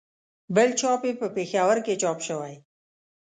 بل چاپ یې په پېښور کې چاپ شوی.